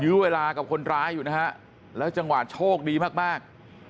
นิ้วยเวลากับคนร้ายอยู่นะครับแล้วจังหวะโชคดีมาก